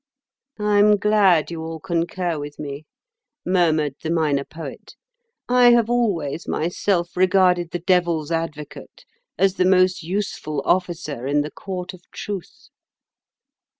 "I am glad you all concur with me," murmured the Minor Poet. "I have always myself regarded the Devil's Advocate as the most useful officer in the Court of Truth."